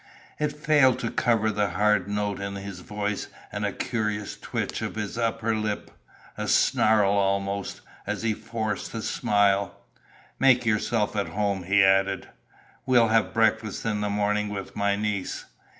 It failed to cover the hard note in his voice and the curious twitch of his upper lip a snarl almost as he forced a smile. "Make yourself at home," he added. "We'll have breakfast in the morning with my niece."